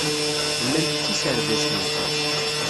Llant d tiserdasin.